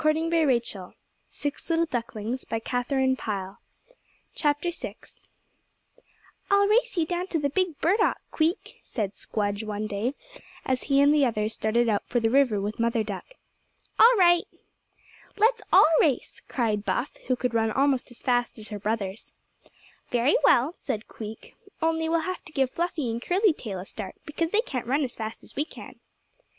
[Illustration: The old duck carried the chick safely over to her mother] VI "I'LL race you down to the big burdock, Queek," said Squdge one day, as he and the others started out for the river with Mother Duck. "All right." "Let's all race," cried Buff, who could run almost as fast as her brothers. "Very well," said Queek; "only we'll have to give Fluffy and Curly Tail a start, because they can't run as fast as we can."